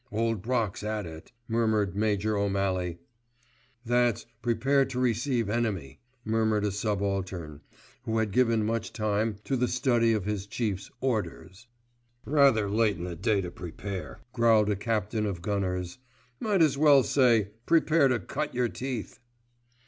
"Old Brock's at it," murmured Major O'Malley. "That's Prepare to Receive Enemy," murmured a subaltern, who had given much time to the study of his Chief's "Orders." "Rather late in the day to prepare," growled a captain of gunners. "Might as well say 'Prepare to cut your teeth.